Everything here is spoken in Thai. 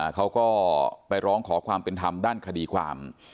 เขาก็ไปร้องขอความเป็นธรรมด้านคดีความ